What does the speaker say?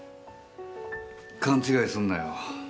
勘違いすんなよ。